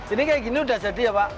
ini kayak gini udah jadi ya pak